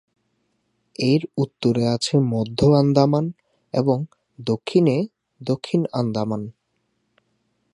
এর উত্তরে আছে মধ্য আন্দামান, এবং দক্ষিণে দক্ষিণ আন্দামান।